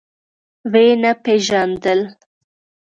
ويې نه پيژاندل.